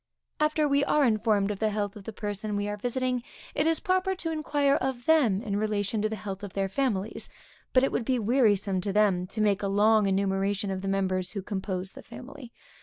After we are informed of the health of the person we are visiting, it is proper to inquire of them in relation to the health of their families; but it would be wearisome to them, to make a long enumeration of the members who compose the family.